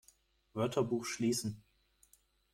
Wörterbuch schließen!